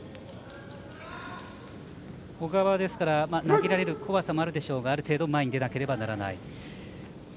小川は投げられる怖さもあるでしょうがある程度前に出なければならない。